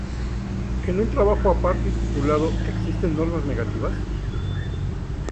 En un trabajo aparte titulado "¿Existen normas negativas?